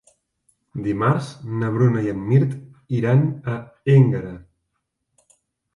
Dimarts na Bruna i en Mirt iran a Énguera.